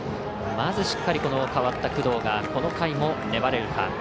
まずしっかり、変わった工藤がこの回も粘れるか。